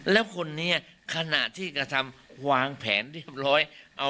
แล้วคนนี้ขณะที่กระทำวางแผนเรียบร้อย